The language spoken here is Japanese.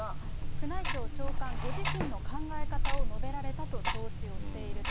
宮内庁長官ご自身の考え方を述べられたと承知をしていると。